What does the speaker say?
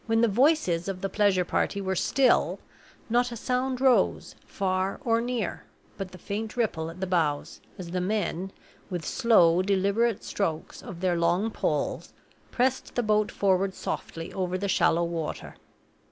When the voices of the pleasure party were still, not a sound rose, far or near, but the faint ripple at the bows, as the men, with slow, deliberate strokes of their long poles, pressed the boat forward softly over the shallow water.